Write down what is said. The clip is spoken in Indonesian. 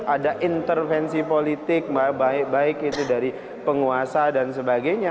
ada intervensi politik baik baik itu dari penguasa dan sebagainya